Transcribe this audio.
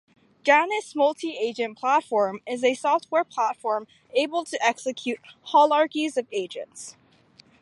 Janus Multiagent Platform is a software platform able to execute holarchies of agents.